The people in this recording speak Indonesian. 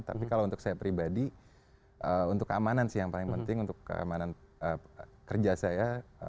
tapi kalau untuk saya pribadi untuk keamanan sih yang paling penting untuk keamanan kerja saya